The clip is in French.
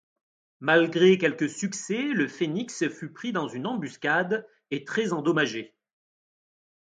Malgré quelques succès, le Phoenix fut pris dans une embuscade et très endommagé.